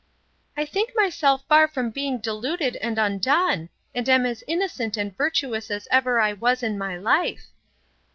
I think myself far from being deluded and undone, and am as innocent and virtuous as ever I was in my life.